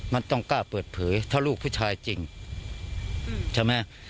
มันต้องกล้าเปิดเผยถ้าลูกผู้ชายจริงใช่ไหม